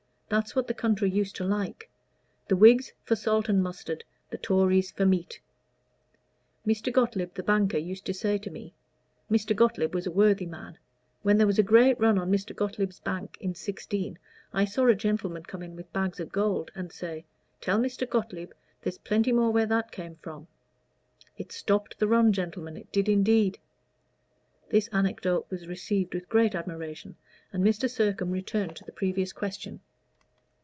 That's what the country used to like. 'The Whigs for salt and mustard, the Tories for meat,' Mr. Gottlib, the banker, used to say to me. Mr. Gottlib was a worthy man. When there was a great run on Mr. Gottlib's bank in '16, I saw a gentleman come in with bags of gold, and say, 'Tell Mr. Gottlib there's plenty more where that came from.' It stopped the run, gentlemen it did indeed." This anecodote was received with great admiration, but Mr. Sircome returned to the previous question.